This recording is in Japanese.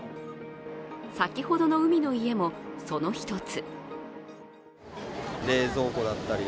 先ほどの海の家もその１つ。